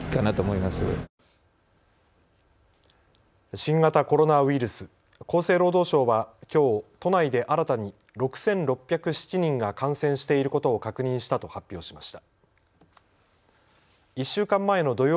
新型コロナウイルス、厚生労働省はきょう都内で新たに６６０７人が感染していることを確認したと発表しました。